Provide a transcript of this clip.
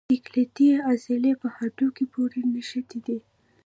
سکلیټي عضلې په هډوکو پورې نښتي دي.